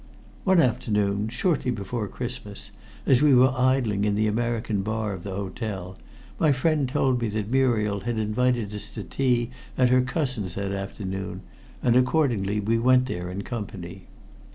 One afternoon, shortly before Christmas, as we were idling in the American bar of the hotel, my friend told me that Muriel had invited us to tea at her cousin's that afternoon, and accordingly we went there in company.